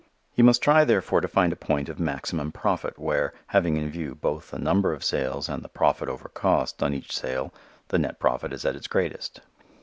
He must try therefore to find a point of maximum profit where, having in view both the number of sales and the profit over cost on each sale the net profit is at its greatest.